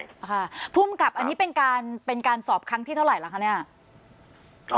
ค่ะภูมิกับอันนี้เป็นการสอบที่เท่าไหร่แล้วคะเนี่ย